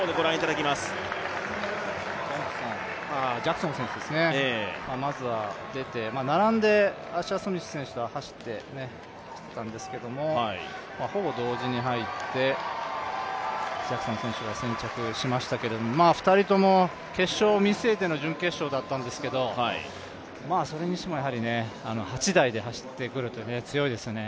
ジャクソン選手がまずは出て並んでアッシャー・スミス選手が走っていたんですけれども、ほぼ同時に入って、ジャクソン選手が先着しましたけど、２人とも、決勝を見据えての準決勝だったんですけれども、それにしても８台で走ってくると強いですよね。